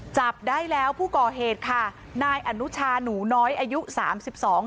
จับได้แล้วผู้ก่อเหตุค่ะนายอนุชาหนูน้อยอายุสามสิบสอง